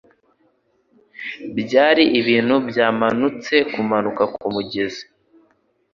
Byari ibintu byamanutse kumanuka kumugezi.